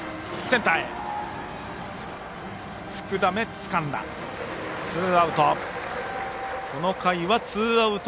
福溜がつかんでツーアウト。